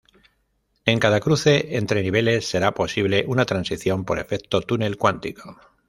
En cada cruce entre niveles, será posible una transición por efecto túnel cuántico.